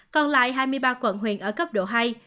còn lại hai mươi ba quận huyện ở cấp độ hai